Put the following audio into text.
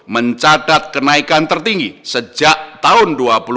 mencatat kenaikan tertinggi sejak tahun dua ribu dua puluh